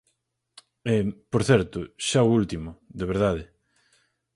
E, por certo, xa o último, de verdade.